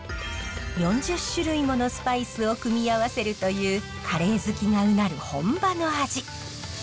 ４０種類ものスパイスを組み合わせるというカレー好きがうなる本場の味。